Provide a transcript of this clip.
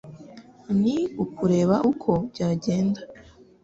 Ni ukureba uko byagenda